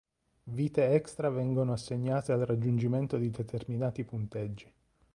Vite extra vengono assegnate al raggiungimento di determinati punteggi.